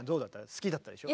好きだったでしょ？